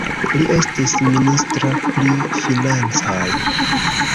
Li estis ministro pri Financoj.